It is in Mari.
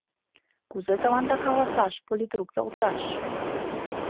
— Кузе тыланда каласаш, политрук йолташ?